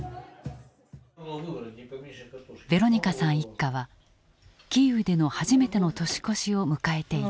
ヴェロニカさん一家はキーウでの初めての年越しを迎えていた。